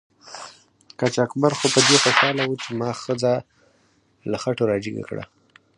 قاچاقبر خو په دې خوشحاله و چې ما ښځه له خټو را جګه کړه.